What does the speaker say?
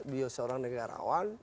beliau seorang negarawan